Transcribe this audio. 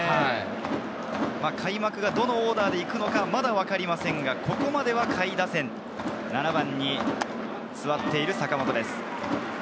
開幕がどのオーダーで行くのかまだ分かりませんが、ここまでを下位打線、７番に座っている坂本です。